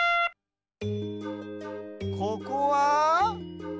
ここは？